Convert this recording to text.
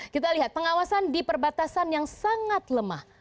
kita lihat pengawasan di perbatasan yang sangat lemah